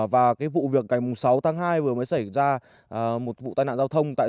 và vụ việc ngày sáu tháng hai vừa mới xảy ra một vụ tai nạn giao thông